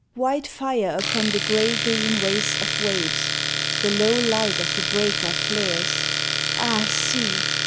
White fire upon the gray green waste of waves, The low light of the breaker flares. Ah, see!